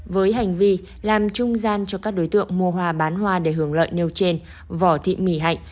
với hành vi làm trung gian cho các đối tượng mua hoa bán hoa để hưởng lợi nêu trên võ thị mỹ hạnh